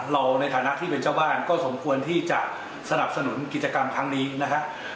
ในฐานะที่เป็นเจ้าบ้านก็สมควรที่จะสนับสนุนกิจกรรมครั้งนี้นะฮะ